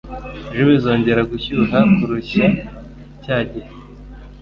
Ejo bizongera gushyuha kurushya cyagiye?